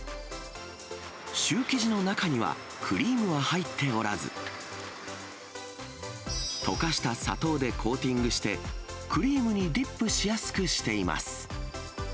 シュー生地の中には、クリームは入っておらず、溶かした砂糖でコーティングして、クリームにディップしやすくしています。